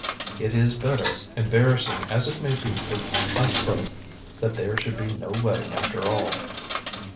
It is better, embarrassing as it may be for us both, that there should be no wedding, after all."